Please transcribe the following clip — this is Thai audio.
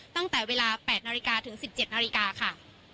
ตั้งแต่เวลา๘นาฬิกาถึง๑๗นาฬิกาค่ะ